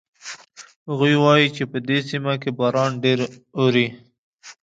هغوی وایي چې په دې سیمه کې باران ډېر اوري